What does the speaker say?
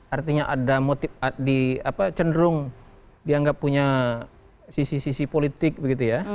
artinya ada motif di apa cenderung dianggap punya sisi sisi politik begitu ya